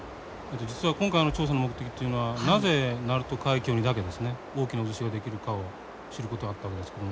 実は今回の調査の目的というのはなぜ鳴門海峡にだけですね大きな渦潮が出来るかを知ることだったわけですけども。